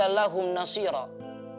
allah swt berfirman